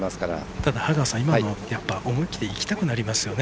ただ、今の思い切っていきたくなりますよね。